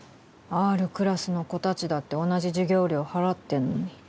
Ｒクラスの子たちだって同じ授業料払ってんのに。